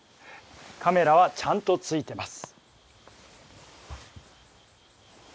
カメラはちゃんとついてます。